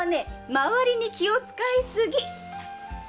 周りに気を遣い過ぎ！